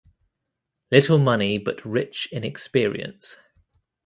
Little money, but rich in experience.